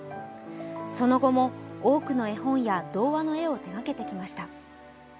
その後も多くの絵本や童話の絵を手掛けてきました。